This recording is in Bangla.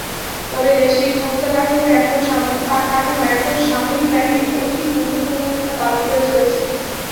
তবে দেশটির ক্ষমতাকাঠামোয় এখনো সামরিক বাহিনী অতিগুরুত্বপূর্ণ ভূমিকা পালন করে চলছে।